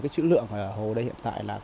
chữ lượng ở hồ đây hiện tại là